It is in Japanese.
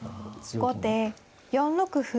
後手４六歩。